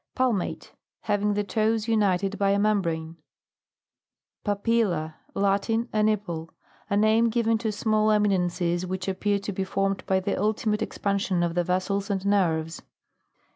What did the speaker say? PALMATE. Having the toes united by a membrane. PAPILLA. Latin. A nipple. A name given to small eminences, which appear to be formed by the ulti mate expansion of the vessels and nerves.